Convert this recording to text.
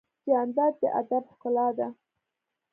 جانداد د ادب ښکلا ده.